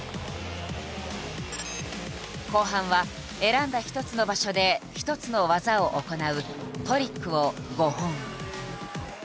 後半は選んだ１つの場所で１つの技を行う「トリック」を５本。